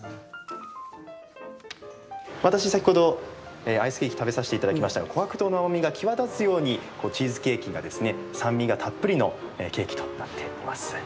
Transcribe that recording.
私、先ほどアイスケーキ食べさせていただきましたがこはく糖の甘みが際立つようにチーズケーキがですね酸味がたっぷりのケーキとなっています。